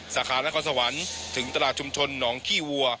สาขานครสวรรค์ถึงตลาดชุมชนหนองขี้วัว